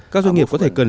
các doanh nghiệp có thể cần